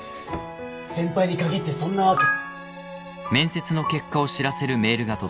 先輩に限ってそんなわけ。